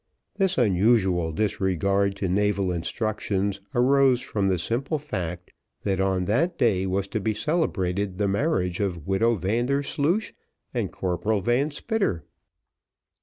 This unusual disregard to naval instructions arose from the simple fact, that on that day was to be celebrated the marriage of widow Vandersloosh and Corporal Van Spitter.